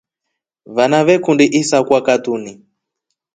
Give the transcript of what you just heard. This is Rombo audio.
Vana veekundi isaakwa katuni.